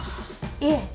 いえ。